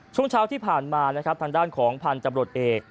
ช่วงเช้าที่ผ่านมานะครับทางด้านของพันธุ์ตำรวจเอก